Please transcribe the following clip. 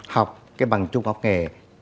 học cái bằng trung học nghề